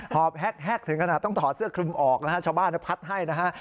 หอบแฮกถึงกำลังต้องถอดเสื้อคลึมออกชาวบ้านคืนพัดให้นะฮะ